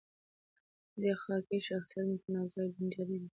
د دې خاکې شخصیت متنازعه او جنجالي دی.